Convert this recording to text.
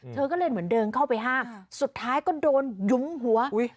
เธอก็เลยเหมือนเดินเข้าไปห้ามสุดท้ายก็โดนยุ้มหัว